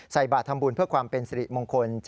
ใส่บาททำบุญเพื่อความเป็นสิริมงคล